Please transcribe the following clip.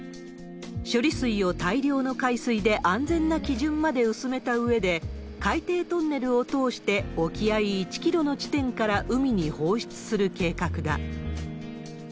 処理水を大量の海水で安全な基準まで薄めたうえで、海底トンネルを通して、沖合１キロの地点から海に放出する計画だ。